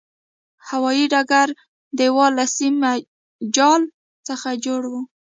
هوایي ډګر دېوال له سیمي جال څخه جوړ و.